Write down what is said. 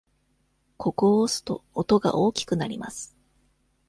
ここを押すと、音が大きくなります。